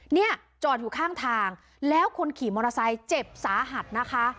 เนี่ยจอดอยู่ข้างทางแล้วคนขี่มอเตอร์ไซค์เจ็บสาหัสนะคะ